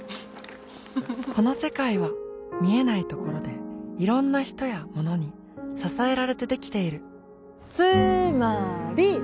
この世界は見えないところでいろんな人やものに支えられてできているつーまーり！